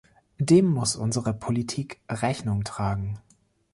Dem muss unsere Politik Rechnung tragen.